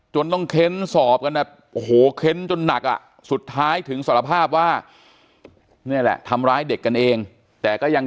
จนหนักอ่ะสุดท้ายถึงสารภาพว่านี่แหละทำร้ายเด็กกันเองแต่ก็ยัง